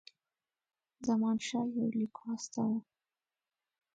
زمانشاه یو لیک واستاوه.